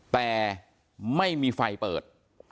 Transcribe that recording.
แต่ไม่มีไฟเปิด